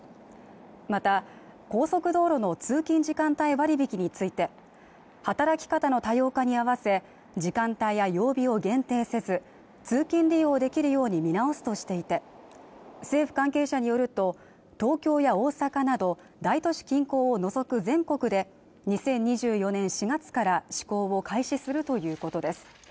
また高速道路の通勤時間帯割引について働き方の多様化に合わせ時間帯や曜日を限定せず通勤利用できるように見直すとしていて政府関係者によると東京や大阪など大都市近郊を除く全国で２０２４年４月から施行を開始するということです